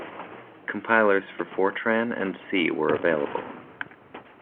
Compilers for Fortran and C were available.